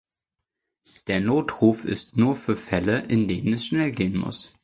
Der Notruf ist nur für Fälle, in denen es schnell gehen muss.